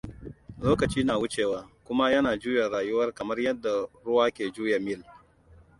Lokaci na wucewa, kuma yana juya rayuwa kamar yadda ruwa ke juya mill.